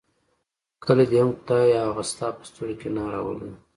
کله دې هم خدای هغه ستا په سترګو کې نه راولي.